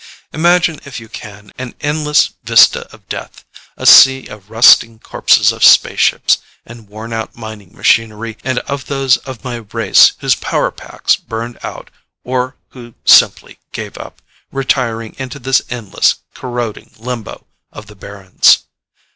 Imagine, if you can, an endless vista of death, a sea of rusting corpses of space ships, and worn out mining machinery, and of those of my race whose power packs burned out, or who simply gave up, retiring into this endless, corroding limbo of the barrens.